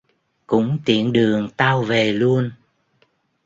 cũng tiện đường tao về luôn